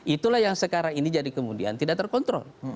itulah yang sekarang ini jadi kemudian tidak terkontrol